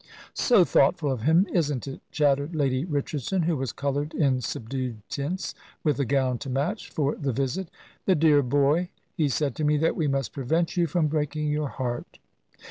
"So thoughtful of him, isn't it?" chattered Lady Richardson, who was coloured in subdued tints, with a gown to match, for the visit. "The dear boy! He said to me that we must prevent you from breaking your heart."